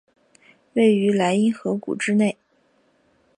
位于莱茵河谷之内。